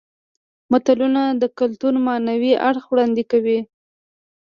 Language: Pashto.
متلونه د کولتور معنوي اړخ وړاندې کوي